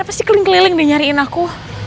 pasti keliling keliling dia nyariin aku